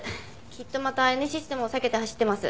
きっとまたＮシステムを避けて走ってます。